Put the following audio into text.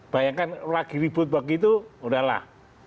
bayangkan lagi ribut begitu udahlah